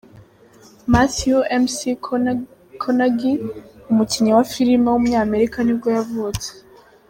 Matthew McConaughey, umukinnyi wa filime w’umunyamerika nibwo yavutse.